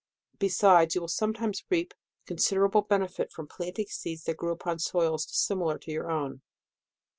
Besides, you will sometimes reap con siderable benefit from planting seeds that grew upon soils dissimilar to your own.